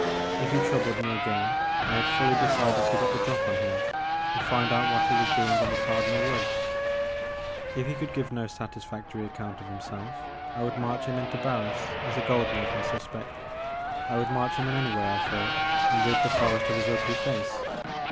If he troubled me again I had fully decided to get the drop on him and find out what he was doing in the Cardinal Woods. If he could give no satisfactory account of himself I would march him in to Barris as a gold making suspect, — I would march him in anyway, I thought, and rid the forest of his ugly face.